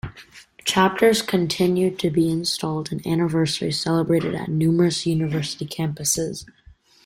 Chapters continue to be installed and anniversaries celebrated at numerous university campuses.